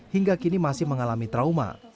hingga kini masih mengalami trauma